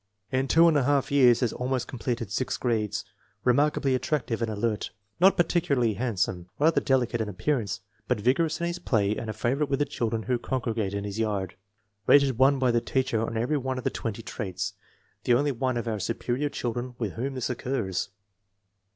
In two and a half years has almost completed six grades. Remarkably attrac tive and alert. Not particularly handsome, rather delicate in appearance, but vigorous in his play and a favorite with the children who congregate in his 212 INTELLIGENCE OF SCHOOL CHILDREN yard. Rated 1 by the teacher on every one of the twenty traits, the only one of our superior children with whom this occurs.